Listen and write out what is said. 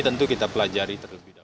tentu kita pelajari